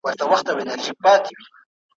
د ښار خلکو ته راوړې یې دعوه وه `